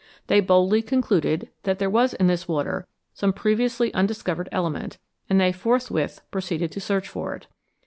They boldly concluded that there was in this water some previously undiscovered element, and they forthwith pro ceeded to search for it.